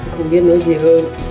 không biết nữa